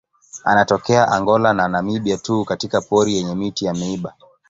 Anatokea Angola na Namibia tu katika pori yenye miti ya miiba.